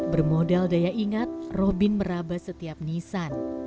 bermodal daya ingat robin meraba setiap nisan